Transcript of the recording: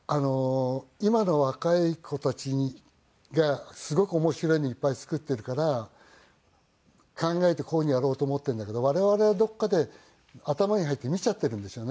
今の若い子たちがすごく面白いのいっぱい作っているから考えてこういうふうにやろうと思ってるんだけど我々はどこかで頭に入って見ちゃってるんでしょうね。